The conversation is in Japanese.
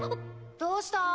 どうした？